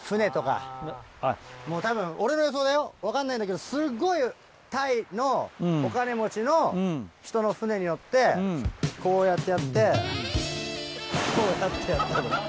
たぶん俺の予想だよ分かんないんだけどすっごいタイのお金持ちの人の船に乗ってこうやってやってこうやって。